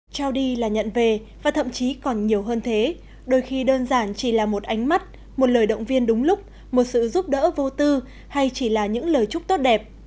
trao đi là nhận về và thậm chí còn nhiều hơn thế đôi khi đơn giản chỉ là một ánh mắt một lời động viên đúng lúc một sự giúp đỡ vô tư hay chỉ là những lời chúc tốt đẹp